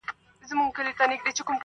هغه چي اوس زما په مخه راسي مخ اړوي ,